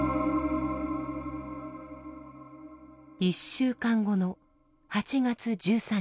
１週間後の８月１３日。